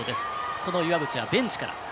その岩渕はベンチから。